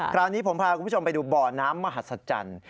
คราวนี้ผมพาคุณผู้ชมไปดูบ่อน้ำมหัศจรรย์